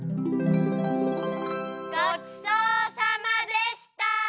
ごちそうさまでした！